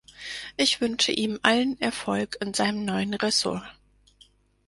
Ich wünsche ihm allen Erfolg in seinem neuen Ressort.